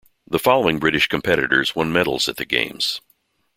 The following British competitors won medals at the Games.